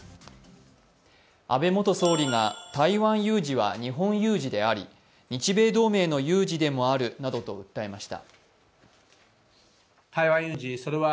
安倍元総理が台湾有事は日本有事であり日米同盟の有事でもあるなどと訴えました。